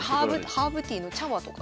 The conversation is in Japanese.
ハーブティーの茶葉とか。